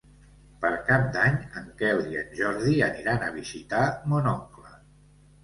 Per Cap d'Any en Quel i en Jordi aniran a visitar mon oncle.